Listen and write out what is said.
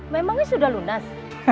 memangnya sudah lunas